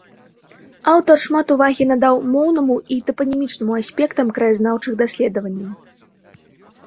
Аўтар шмат увагі надаў моўнаму і тапанімічнаму аспектам краязнаўчых даследаванняў.